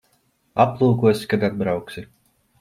Aplūkosi, kad atbrauksi.